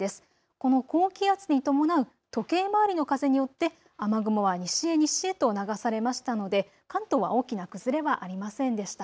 この高気圧に伴う時計回りの風によって雨雲は西へ西へと流されましたので関東は大きな崩れはありませんでした。